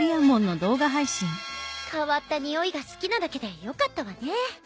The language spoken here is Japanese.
変わったにおいが好きなだけでよかったわね。